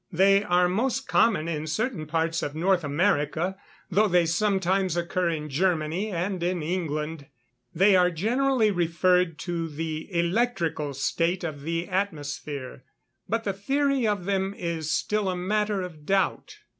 They are most common in certain parts of North America, though they sometimes occur in Germany and in England. They are generally referred to the electrical state of the atmosphere, but the theory of them is still a matter of doubt.